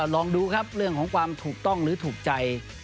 ลองดูครับเรื่องของความถูกต้องหรือถูกใจ